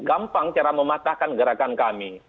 gampang cara mematahkan gerakan kami